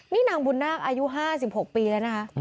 นี่นางบุญนาคอายุ๕๖ปีแล้วนะคะ